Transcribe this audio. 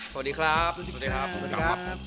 สวัสดีครับสวัสดีครับขอบคุณครับ